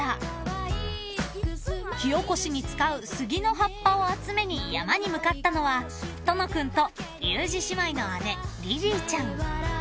［火おこしに使う杉の葉っぱを集めに山に向かったのはとの君とユージ姉妹の姉リリーちゃん］